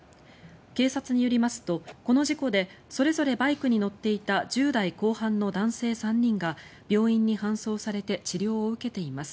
警察によりますと、この事故でそれぞれバイクに乗っていた１０代後半の男性３人が病院に搬送されて治療を受けています。